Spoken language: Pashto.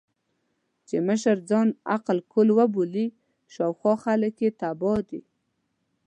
چې مشر ځان عقل کُل وبولي، شا او خوا خلګ يې تباه دي.